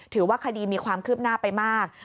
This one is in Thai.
ถือว่าคดีมีความคืบหน้าไปมาก